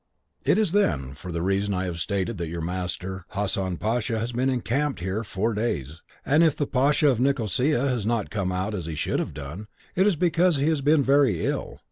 "It is, then, for the reason I have stated that your master, Hassan Pasha, has been encamped here four days, and if the Pasha of Nicosia has not come out as he should have done, it is because he has been very ill.